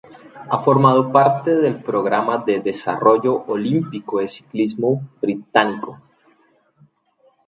Ha formado parte del Programa de Desarrollo Olímpico de Ciclismo Británico.